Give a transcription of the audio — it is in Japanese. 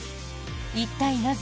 一体、なぜ？